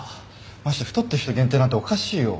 まして太ってる人限定なんておかしいよ。